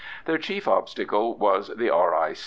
Their chief obstacle was the R.I.